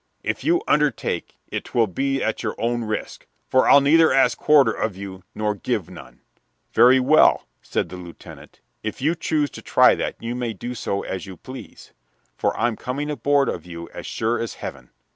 If you undertake it 'twill be at your own risk, for I'll neither ask quarter of you nor give none." "Very well," said the lieutenant, "if you choose to try that, you may do as you please; for I'm coming aboard of you as sure as heaven."